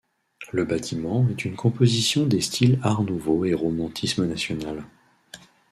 Le bâtiment est une composition des styles Art Nouveau et romantisme national.